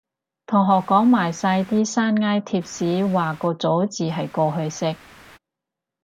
同學講埋晒啲山埃貼士話個咗字係過去式